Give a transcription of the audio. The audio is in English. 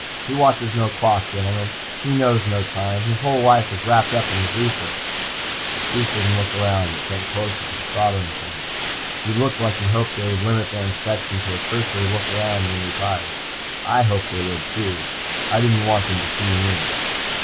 He watches no clock, gentlemen. He knows no time. His whole life is wrapped up in his research!" The Chief didn't look around, but bent closer to the soldering point. He looked like he hoped they would limit their inspection to a cursory look about and then retire. I hoped they would too, I didn't want them to see me.